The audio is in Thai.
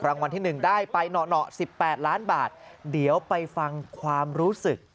รางวัลที่๑ได้ไปหน่อ๑๘ล้านบาทเดี๋ยวไปฟังความรู้สึก